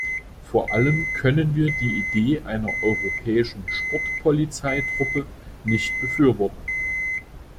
Vor allem können wir die Idee einer europäischen Sportpolizeitruppe nicht befürworten.